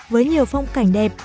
với nhiều phong cảnh đẹp